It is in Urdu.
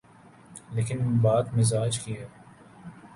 لیکن بات مزاج کی ہے۔